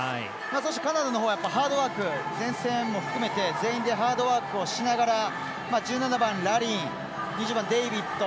そしてカナダのほうはハードワーク、前線も含めて全員でハードワークしながら１７番、ラリン２０番、デイビッド。